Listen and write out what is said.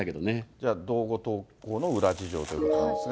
じゃあ動画投稿の裏事情ということなんですが。